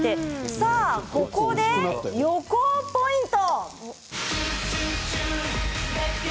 さあ、ここで横尾ポイント！